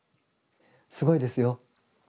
すごいですよ。